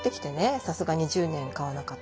さすがに１０年買わなかったりすると。